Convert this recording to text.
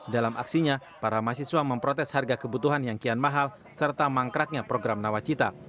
dalam aksinya para mahasiswa memprotes harga kebutuhan yang kian mahal serta mangkraknya program nawacita